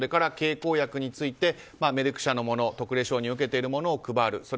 経口薬についてメルク社のもの特例承認を受けているものを配る。